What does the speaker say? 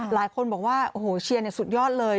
หลายคนบอกว่าเชียร์เนี่ยสุดยอดเลย